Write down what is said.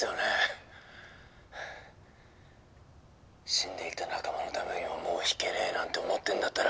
死んでいった仲間のためにももう引けねぇなんて思ってんだったら。